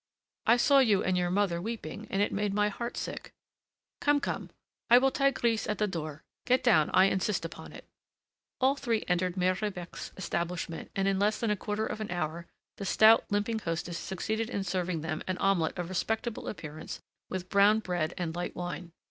I saw you and your mother weeping, and it made my heart sick. Come, come, I will tie Grise at the door; get down, I insist upon it." All three entered Mere Rebec's establishment, and in less than a quarter of an hour the stout, limping hostess succeeded in serving them an omelet of respectable appearance with brown bread and light wine.